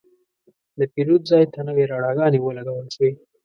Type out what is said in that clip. د پیرود ځای ته نوې رڼاګانې ولګول شوې.